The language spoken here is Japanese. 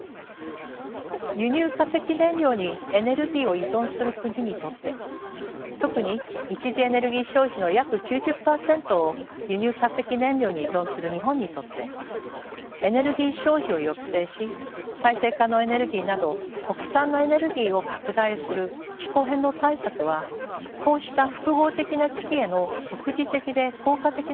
輸入化石燃料にエネルギーを依存する国にとって特に一次エネルギー消費の約９０％を輸入化石燃料に依存する日本にとってエネルギー消費を抑制し再生可能エネルギーなど国産のエネルギーを拡大する気候変動対策はこうした複合的な危機への即時的で効果的な対応でもあります。